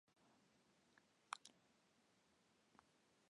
دوی له ښاغلي مورګان سره د کار کولو په هلو ځلو کې پاتې شول